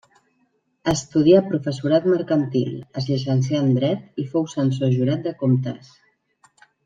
Estudià professorat mercantil, es llicencià en Dret i fou censor jurat de Comptes.